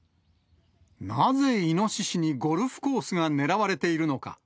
なぜイノシシにゴルフコースが狙われているのか。